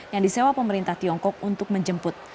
yang disewa pemerintah tiongkok untuk menjemput